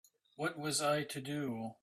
What was I to do?